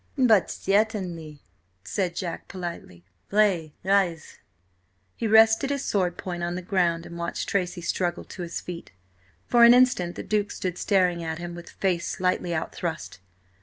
"But certainly," said Jack politely. "Pray rise." He rested his sword point on the ground, and watched Tracy struggle to his feet. For an instant the Duke stood staring at him, with face slightly out thrust.